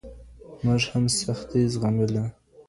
موږ هم سختي زغملې.